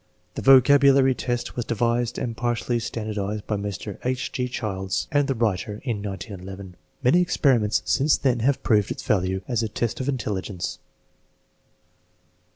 The vocabulary test was devised and partially standard ized by Mr. H. G. Childs and the writer in 1911. Many experiments since then have proved its value as a test of intelligence.